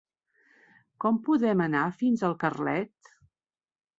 Com podem anar fins a Carlet?